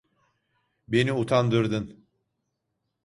Beni utandırdın.